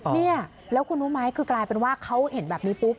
เนี่ยแล้วคุณรู้ไหมคือกลายเป็นว่าเขาเห็นแบบนี้ปุ๊บ